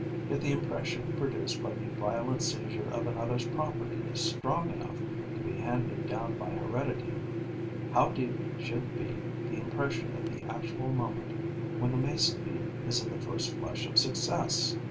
If the impression produced by the violent seizure of another's property is strong enough to be handed down by heredity, how deep should be the impression of the actual moment when the Mason bee is in the first flush of success!